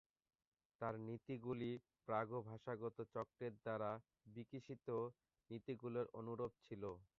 তার নীতিগুলি প্রাগ ভাষাগত চক্রের দ্বারা বিকশিত নীতিগুলির অনুরূপ ছিল।